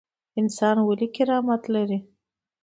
انسان ولې کرامت لري؟